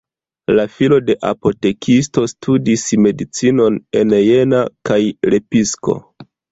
La filo de apotekisto studis medicinon en Jena kaj Lepsiko.